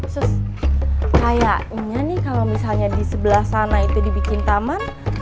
terus kayaknya nih kalau misalnya di sebelah sana itu dibikin taman